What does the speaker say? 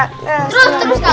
terus terus kak